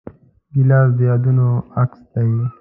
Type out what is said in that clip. ګیلاس د یادونو عکس دی.